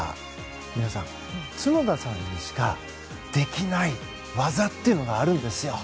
皆さん、角田さんにしかできない技があるんですよ。